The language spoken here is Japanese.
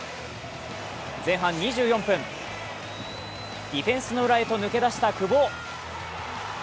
前半２４分、ディフェンスの裏へと抜け出した久保。